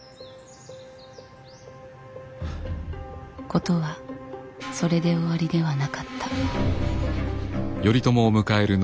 事はそれで終わりではなかった。